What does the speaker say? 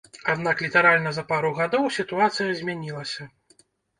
Аднак літаральна за пару гадоў сітуацыя змянілася.